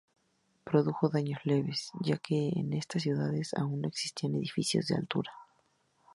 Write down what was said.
Produjo daños leves, ya que en estas ciudades aún no existían edificios de altura.